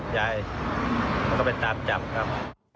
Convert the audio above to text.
ยายมันก็ไปตามจับครับ